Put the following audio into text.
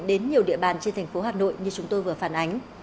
đến nhiều địa bàn trên thành phố hà nội như chúng tôi vừa phản ánh